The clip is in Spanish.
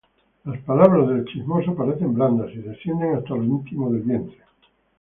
Las palabras del chismoso parecen blandas, Y descienden hasta lo íntimo del vientre.